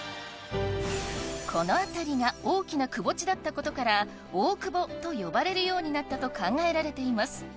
この辺りが大きな窪地だったことからオオクボと呼ばれるようになったと考えられています